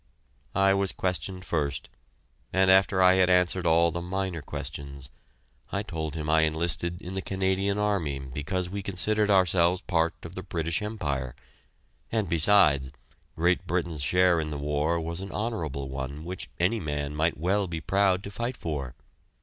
I was questioned first, and after I had answered all the minor questions, I told him I enlisted in the Canadian Army because we considered ourselves part of the British Empire, and besides, Great Britain's share in the war was an honorable one which any man might well be proud to fight for.